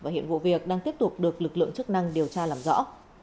và hiện vụ việc đang tiếp tục được lực lượng chức năng điều tra làm rõ